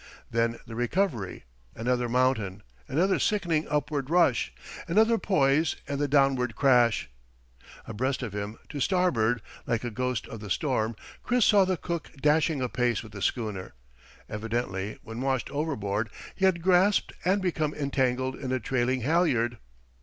Then the recovery, another mountain, another sickening upward rush, another poise, and the downward crash. Abreast of him, to starboard, like a ghost of the storm, Chris saw the cook dashing apace with the schooner. Evidently, when washed overboard, he had grasped and become entangled in a trailing halyard.